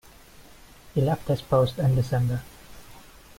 He left his post in December.